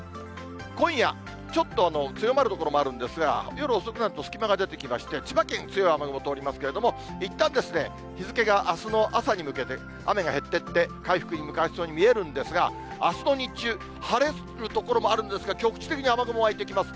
今夜、ちょっと強まる所もあるんですが、夜遅くなると隙間が出てきまして、千葉県、強い雨雲通りますけれども、いったん日付があすの朝に向けて、雨が減っていって、回復に向かいそうに見えるんですが、あすの日中、晴れる所もあるんですが、局地的に雨雲湧いてきます。